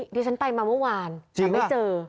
ดิฉันไปมาเมื่อวานแต่ไม่เจอ